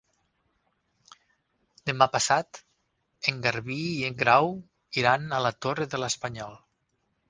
Demà passat en Garbí i en Grau iran a la Torre de l'Espanyol.